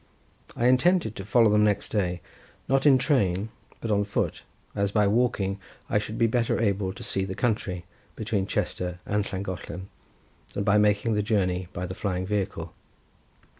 I intended to follow them next day, not in train, but on foot, as by walking I should be better able to see the country, between Chester and Llangollen, than by making the journey by the flying vehicle.